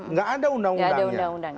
nggak ada undang undang